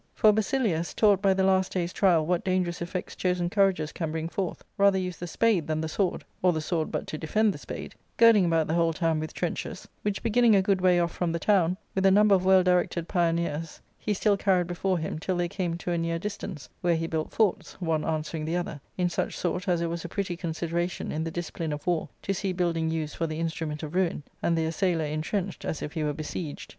For Basilius, taught by the last day's trial what dangerous effects chosen courages can bring forth, rather used the spade than the sword, or the sword but to defend the spade, girding about the whole town with trenches, which beginnmg a good way off from the town, with a number of well directed pioners he still carried before him till they came to a near distance, where he built forts, one answering the other, in such sort as it was a pretty consideration in the discipline of war to see building used for the instrument of ruin, and the assailer intrenched as if he were besieged.